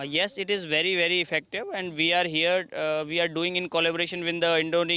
ya ini sangat efektif kita melakukan ini dengan kolaborasi dengan tni